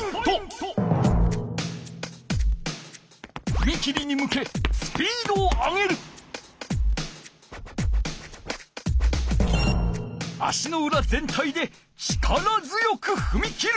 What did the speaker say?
ふみ切りに向け足のうら全体で力強くふみ切る。